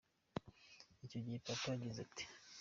Icyo gihe Papa yagize ati “….